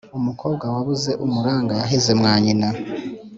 Umukobwa wabuze umuranga yaheze mwa nyina.